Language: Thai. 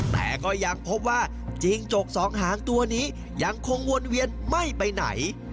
แต่ก็ยังพบว่าจิงจกสองหางตัวนี้ยังคงวนเวียนไม่ไปไหน